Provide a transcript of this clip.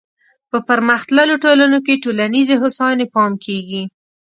په پرمختللو ټولنو کې ټولنیزې هوساینې پام کیږي.